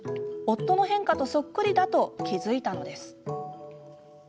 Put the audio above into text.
夫の変化とそっくりだと気付いたのです。